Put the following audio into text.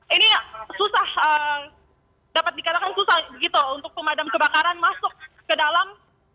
ini susah dapat dikatakan susah gitu untuk pemadam kebakaran masuk ke dalam